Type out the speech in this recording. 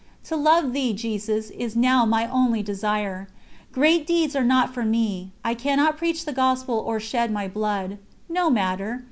To love Thee, Jesus, is now my only desire. Great deeds are not for me; I cannot preach the Gospel or shed my blood. No matter!